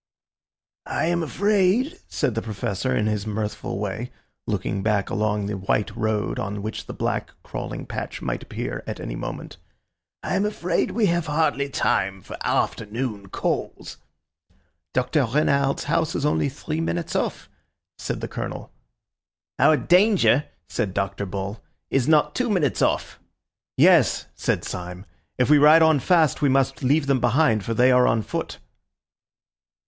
"I am afraid," said the Professor in his mirthful way, looking back along the white road on which the black, crawling patch might appear at any moment, "I am afraid we have hardly time for afternoon calls." "Doctor Renard's house is only three minutes off," said the Colonel. "Our danger," said Dr. Bull, "is not two minutes off." "Yes," said Syme, "if we ride on fast we must leave them behind, for they are on foot."